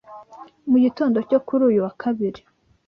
mu gitondo cyo kuri uyu wa Kabiri